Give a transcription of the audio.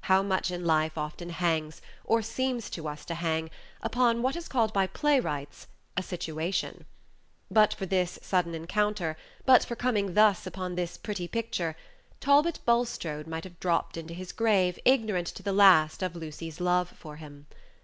How much in life often hangs, or seems to us to hang, upon what is called by playwrights "a situation!" But for this sudden encounter, but for coming thus upon this pretty picture, Talbot Bulstrode might have dropped into his grave ignorant to the last of Lucy's love for him.